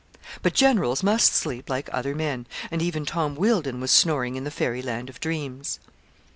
But generals must sleep like other men; and even Tom Wealdon was snoring in the fairy land of dreams.